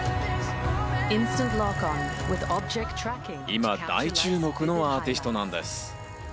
今大注目のアーティストなんです。